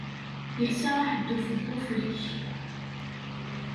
Yelsa aḥedduf n wufrik.